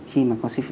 khi mà có sự vi phạm